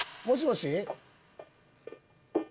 もしもし。